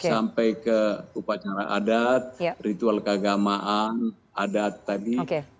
sampai ke upacara adat ritual keagamaan adat tadi